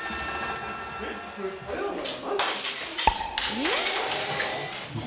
えっ？